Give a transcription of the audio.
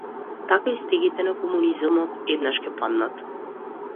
Така и стегите на комунизмот еднаш ќе паднат.